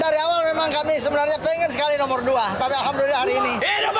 dari awal memang kami sebenarnya pengen sekali nomor dua tapi alhamdulillah hari ini